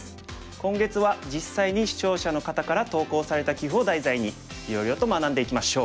今月は実際に視聴者の方から投稿された棋譜を題材にいろいろと学んでいきましょう。